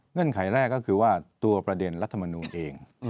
เงื่อนไขแรกก็คือว่าตัวประเด็นรัฐมนุนเอง